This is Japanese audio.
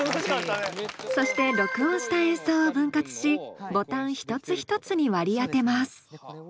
そして録音した演奏を分割しボタン一つ一つに割り当てます。